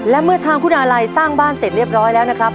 และเมื่อทางคุณอาลัยสร้างบ้านเสร็จเรียบร้อยแล้วนะครับ